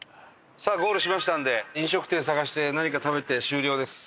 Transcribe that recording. さあゴールしましたんで飲食店探して何か食べて終了です。